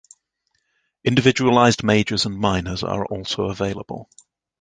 Individualized majors and minors are also available.